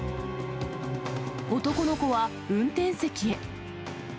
男の子は運転席へ。